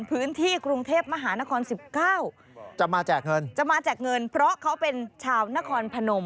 พื้นที่กรุงเทพมหานคร๑๙จะมาแจกเงินเพราะเขาเป็นชาวนครพนม